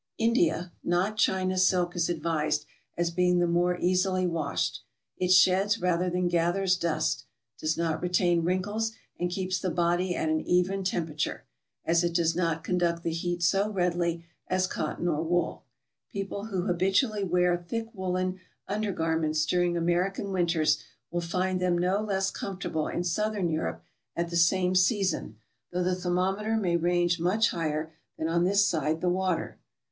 India (not China) silk is advised, as being the more easily washed. It sheds rather than gathers dust; does not retain wrinkles; and keeps the body at an even temperature, as it does not conduct the heat so readily as cotton or wool. People who habitually wear thick woolen under garments during American winters, will find them no less comfortable in Southern Europe at the same season, though the thermometer may range much higher than on this side the water.